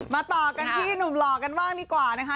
ต่อกันที่หนุ่มหล่อกันบ้างดีกว่านะคะ